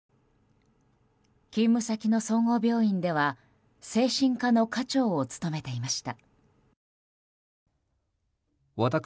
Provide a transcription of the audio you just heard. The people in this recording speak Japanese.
勤務先の総合病院では精神科の科長を務めていました。